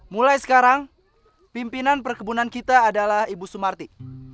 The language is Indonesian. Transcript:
mulai sekarang pimpinan perkebunan kita adalah ibu sumarti